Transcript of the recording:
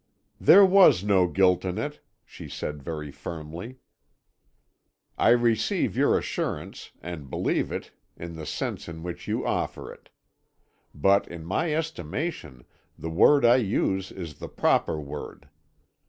"'There was no guilt in it,' she said very firmly. "'I receive your assurance, and believe it in the sense in which you offer it. But in my estimation the word I use is the proper word.